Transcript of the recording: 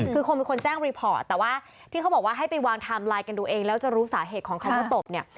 คือคงเป็นคนแจ้งรีพอร์ตแต่ว่าที่เขาบอกว่าให้ไปวางไทม์ไลน์กันดูเองแล้วจะรู้สาเหตุของคำว่าตบเนี่ย